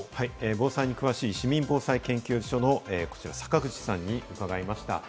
防災に詳しい市民防災研究所の坂口隆夫さんに伺いました。